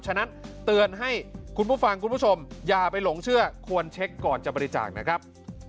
ฉะนั้นเตือนให้คุณผู้ฟังคุณผู้ชมอย่าไปหลงเชื่อควรเช็คก่อนจะบริจาคนะครับ